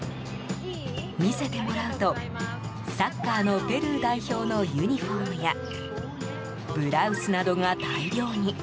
見せてもらうと、サッカーのペルー代表のユニホームやブラウスなどが大量に。